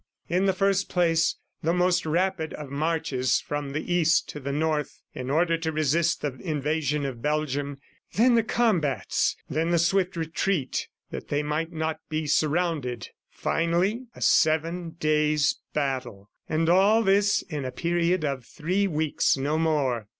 In the first place, the most rapid of marches from the East to the North, in order to resist the invasion of Belgium; then the combats; then the swift retreat that they might not be surrounded; finally a seven days' battle and all this in a period of three weeks, no more.